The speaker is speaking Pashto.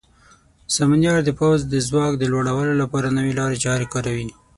سمونیار د پوځ د ځواک د لوړولو لپاره نوې لارې چارې کاروي.